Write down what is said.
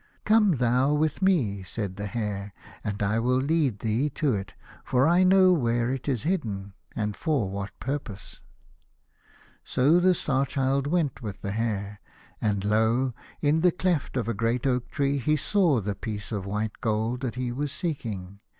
"Come thou with me," said the Hare, " and I will lead thee to it, for I know where it is hidden, and for what purpose." So the Star Child went with the Hare, and lo ! in the cleft of a great oak tree he saw the piece of white gold that he was seeking.